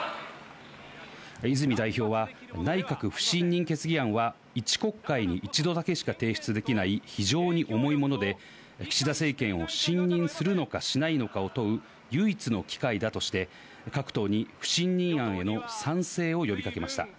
泉代表は、内閣不信任決議案は、一国会に一度だけしか提出できない非常に重いもので、岸田政権を信任するのかしないのかを問う唯一の機会だとして、各党に不信任案への賛成を呼びかけました。